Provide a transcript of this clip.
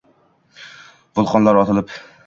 Vulqonlar otilib